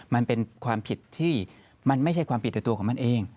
มันเป็นความผิดที่มันไม่ใช่ความผิดต่อตัวของมันเอง